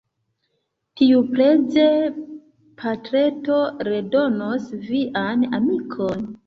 Tiupreze, patreto redonos vian amikon.